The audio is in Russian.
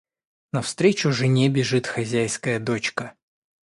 Навстречу жене бежит хозяйская дочка.